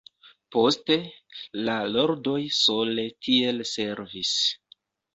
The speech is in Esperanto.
Poste, la Lordoj sole tiel servis.